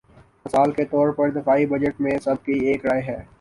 مثال کے طور پر دفاعی بجٹ میں سب کی ایک رائے ہے۔